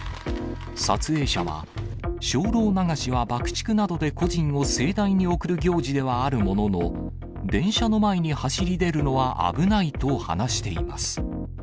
撮影者は、精霊流しは爆竹などで故人を盛大に送る行事ではあるものの、電車の前に走り出るのは危ないと話しています。